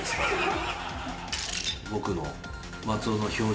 僕の。